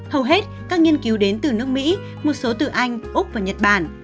hầu hết các nghiên cứu đến từ nước mỹ một số từ anh úc và nhật bản